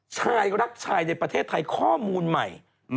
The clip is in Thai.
ชายรักชายในประเทศไทยข้อมูลใหม่